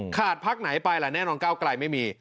ขาดพักไหนไปแน่นอนก้าวกลายไม่มี